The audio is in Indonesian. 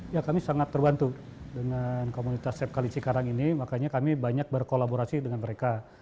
ya kami sangat terbantu dengan komunitas sep kalicikarang ini makanya kami banyak berkolaborasi dengan mereka